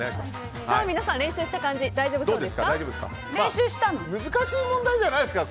皆さん、練習した感じ大丈夫そうですか？